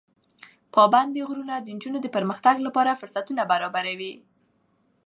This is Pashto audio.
پابندي غرونه د نجونو د پرمختګ لپاره فرصتونه برابروي.